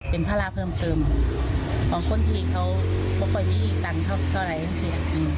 เป็นภาระเพิ่มเติมของคนที่เขาไม่ค่อยมีตันเท่าไหร่